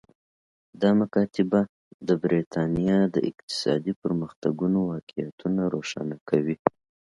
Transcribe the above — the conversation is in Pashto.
دا مکاتبه د برېټانیا د اقتصادي پرمختګونو واقعیتونه روښانه کوي